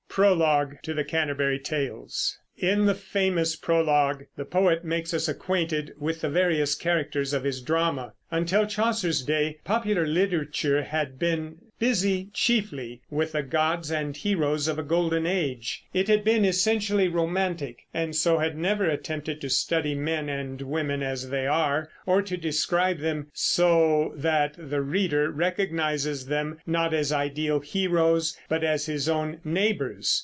PROLOGUE TO THE CANTERBURY TALES. In the famous "Prologue" the poet makes us acquainted with the various characters of his drama. Until Chaucer's day popular literature had been busy chiefly with the gods and heroes of a golden age; it had been essentially romantic, and so had never attempted to study men and women as they are, or to describe them so that the reader recognizes them, not as ideal heroes, but as his own neighbors.